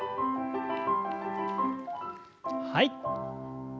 はい。